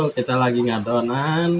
kita sedang mengadonan